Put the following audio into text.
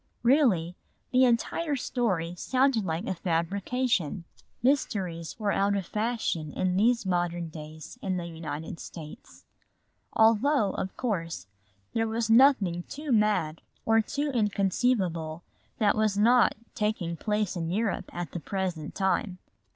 Really, the entire story sounded like a fabrication. Mysteries were out of fashion in these modern days in the United States. Although, of course, there was nothing too mad or too inconceivable that was not taking place in Europe at the present time.